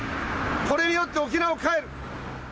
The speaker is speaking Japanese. これによって沖縄を変える。